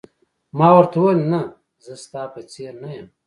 ما ورته وویل: نه، زه ستا په څېر نه یم.